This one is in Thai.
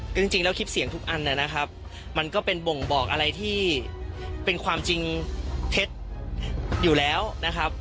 จริงแล้วคลิปเสียงทุกอันนะครับมันก็เป็นบ่งบอกอะไรที่เป็นความจริงเท็จอยู่แล้วนะครับ